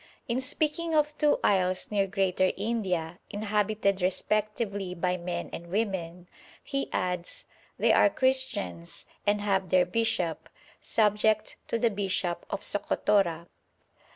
In speaking of two isles near Greater India, inhabited respectively by men and women, he adds: 'They are Christians, and have their bishop, subject to the Bishop of Socotora.